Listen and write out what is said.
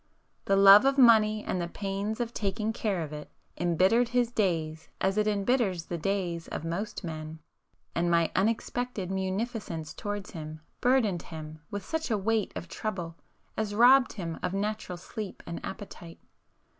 The love of money and the pains of taking care of it, embittered his days as it embitters the days of most men, and my unexpected munificence towards him burdened him with such a weight of trouble as robbed him of natural sleep and appetite.